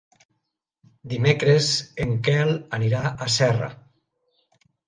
Dimecres en Quel anirà a Serra.